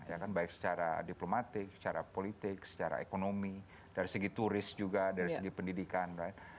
ya kan baik secara diplomatik secara politik secara ekonomi dari segi turis juga dari segi pendidikan